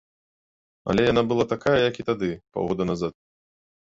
Але яна была такая, як і тады, паўгода назад.